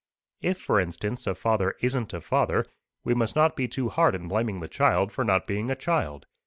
If, for instance, a father isn't a father, we must not be too hard in blaming the child for not being a child.